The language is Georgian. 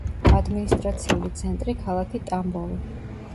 ადმინისტრაციული ცენტრი ქალაქი ტამბოვი.